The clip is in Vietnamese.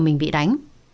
mình bị đánh